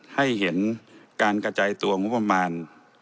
ให้เห็นการกระจายตัวงบประมาณ